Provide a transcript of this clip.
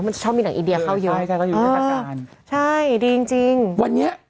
ตอนต่อไป